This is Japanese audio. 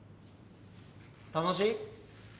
楽しい？